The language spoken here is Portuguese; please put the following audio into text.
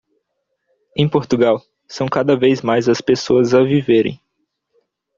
Em Portugal, são cada vez mais as pessoas a viverem.